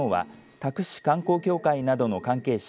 多久市観光協会などの関係者